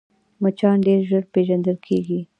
مچان ډېر ژر پېژندل کېږي